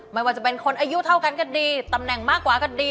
ไม่ว่าจะเป็นคนอายุเท่ากันก็ดีตำแหน่งมากกว่าก็ดี